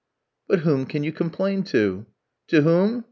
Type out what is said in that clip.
"But whom can you complain to?" "To whom?